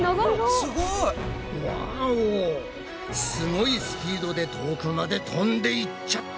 すごいスピードで遠くまで飛んでいっちゃった！